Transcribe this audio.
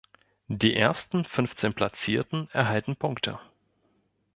Die ersten fünfzehn Platzierten erhalten Punkte.